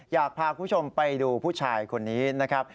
อยากพาคุณผู้ชมไปดูผู้ชายคนนี้นะครับ